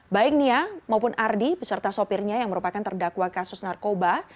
baik nia maupun ardi beserta sopirnya yang merupakan terdakwa kasus narkoba